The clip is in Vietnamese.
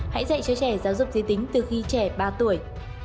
hãy dạy cho trẻ giáo dục giới tính từ khi trẻ ba tuổi